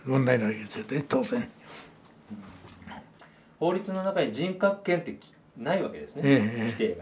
法律の中に人格権ってないわけですね規定が。